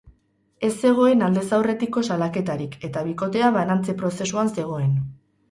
Ez zegoen aldez aurretiko salaketarik eta bikotea banantze prozesuan zegoen.